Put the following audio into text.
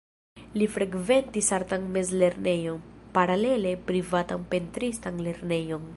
Li frekventis artan mezlernejon, paralele privatan pentristan lernejon.